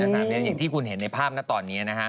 อย่างที่คุณเห็นในภาพนะตอนนี้